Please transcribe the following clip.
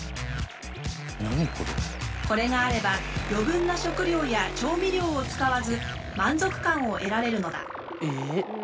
これがあれば余分な食料や調味料を使わず満足感を得られるのだ。